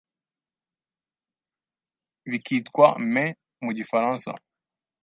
Bikitwa maïs mu gifaransa